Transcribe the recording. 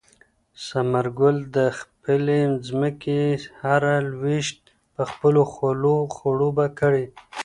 ثمر ګل د خپلې ځمکې هره لوېشت په خپلو خولو خړوبه کړې ده.